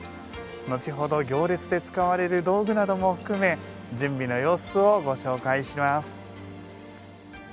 後ほど、行列で使われる道具なども含め準備の様子をご紹介します。